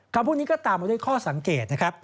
คำพูดนี้ก็ตามมาด้วยข้อสังเกตนะครับ